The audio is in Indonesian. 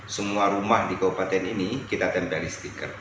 semua rumah di kabupaten ini kita tempeli stiker